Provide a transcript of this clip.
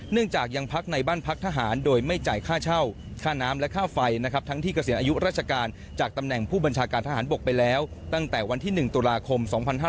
จากยังพักในบ้านพักทหารโดยไม่จ่ายค่าเช่าค่าน้ำและค่าไฟนะครับทั้งที่เกษียณอายุราชการจากตำแหน่งผู้บัญชาการทหารบกไปแล้วตั้งแต่วันที่๑ตุลาคม๒๕๕๙